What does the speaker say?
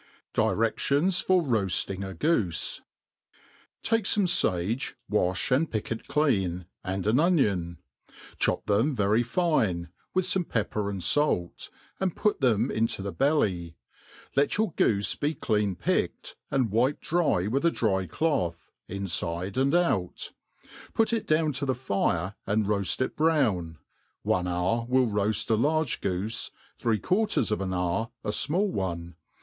DireSiions for roajiing a Goofe. TAKE fome fage, wafh and pick it clean, and an onion ; chop them very fine^ with fome pepper and fait, and put them into the belly; let your goofe be clean picked, and »wiped dry with a dry cloth, infide and out ; put it down to the fire, and roaft it brown : one hour will roaft a large goofe, three quar ters of an hour, a fmall one.